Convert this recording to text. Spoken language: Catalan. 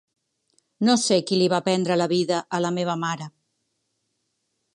No sé qui li va prendre la vida a la meva mare.